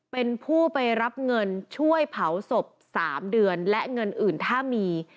เป็นผู้ไปรับเงินช่วยเผาศพ๓เดือนและเงินอื่นถ้ามี